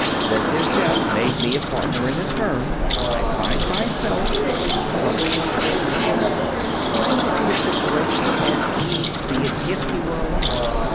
Since his death made me a partner in this firm, I find myself, when I'm troubled or puzzled, trying to see a situation as he'd see it if he were alive.